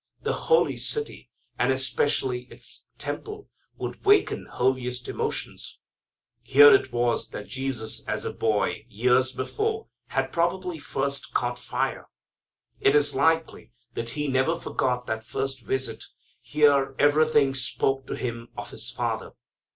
The holy city, and especially its temple, would awaken holiest emotions. Here it was that Jesus, as a boy, years before, had probably first caught fire. It is likely that He never forgot that first visit. Here everything spoke to Him of His Father.